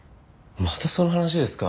またその話ですか。